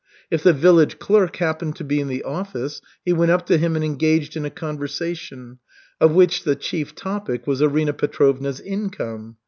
If the village clerk happened to be in the office, he went up to him and engaged in a conversation, of which the chief topic was Arina Petrovna's income.